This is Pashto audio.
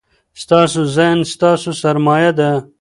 ستاسو ذهن ستاسو سرمایه ده.